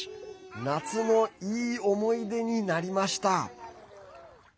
夏のいい思い出になりました。